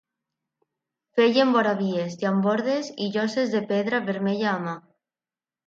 Feien voravies, llambordes i lloses de pedra vermella a mà.